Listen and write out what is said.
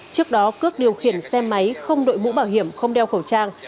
trước đó cước điều khiển xe máy không đội mũ bảo hiểm không đeo khẩu trang